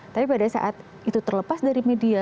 tapi pada saat itu terlepas dari media